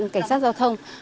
cảnh sát giao thông